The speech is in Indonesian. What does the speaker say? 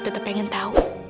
tetap pengen tahu